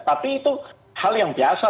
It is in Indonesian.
tapi itu hal yang biasa